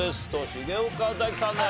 重岡大毅さんです。